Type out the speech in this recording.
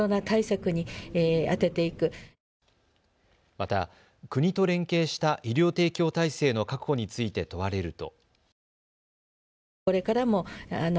また、国と連携した医療提供体制の確保について問われると。